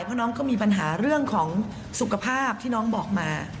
เพราะน้องก็มีปัญหาเรื่องของสุขภาพที่น้องบอกมา